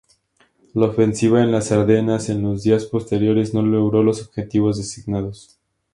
La ofensiva en las Ardenas en los días posteriores no logró los objetivos designados.